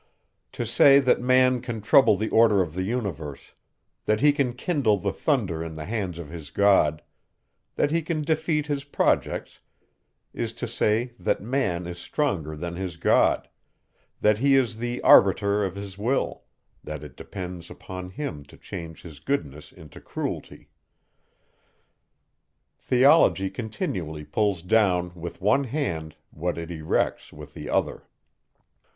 To say, that man can trouble the order of the universe; that he can kindle the thunder in the hands of his God; that he can defeat his projects, is to say, that man is stronger than his God, that he is the arbiter of his will, that it depends upon him to change his goodness into cruelty. Theology continually pulls down, with one hand, what it erects with the other.